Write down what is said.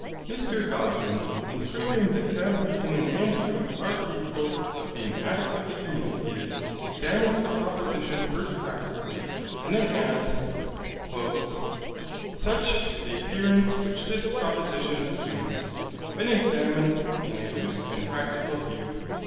Mr Godwin, in proving that sound reasoning and truth are capable of being adequately communicated, examines the proposition first practically, and then adds, 'Such is the appearance which this proposition assumes, when examined in a loose and practical view.